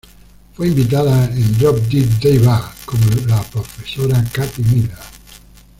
Fue invitada en "Drop Dead Diva" como la Profesora Kathy Miller.